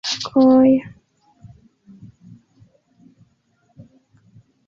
Ĝenerale lernantoj de altlernejo komencas serĉi laboron de aŭtuno.